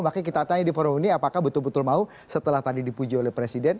makanya kita tanya di forum ini apakah betul betul mau setelah tadi dipuji oleh presiden